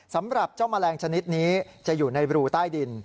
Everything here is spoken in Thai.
สำหรับเจ้าแมลงชนิดนี้จะอยู่ในรูใต้ดิน